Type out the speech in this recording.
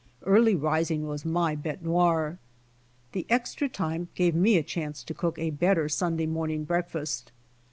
Early rising was my "bete noir." The extra time gave me a chance to cook a better Sunday morning breakfast.